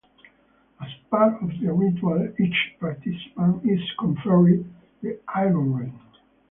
As part of the ritual each participant is conferred the Iron Ring.